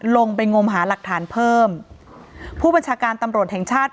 ลงไปงมหาหลักฐานเพิ่มผู้บัญชาการตำรวจแห่งชาติ